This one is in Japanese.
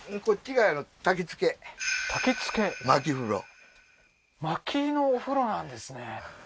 焚き付け薪のお風呂なんですね